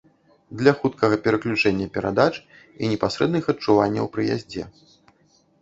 Для хуткага пераключэння перадач і непасрэдных адчуванняў пры яздзе.